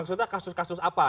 kemudian apakah kasus kasus apa